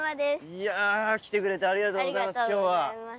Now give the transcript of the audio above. いや来てくれてありがとうございます今日は。